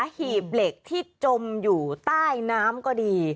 หีบเหล็กที่จมอยู่ใต้น้ำก็ดี